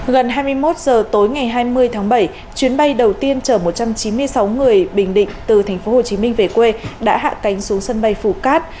gần hai mươi một giờ tối ngày hai mươi tháng bảy chuyến bay đầu tiên chở một trăm chín mươi sáu người bình định từ tp hcm về quê đã hạ cánh xuống sân bay phú cát